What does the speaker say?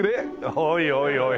おいおいおい。